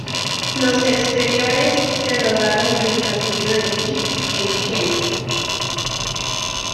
Los exteriores se rodaron en el castillo de Leeds, en Kent.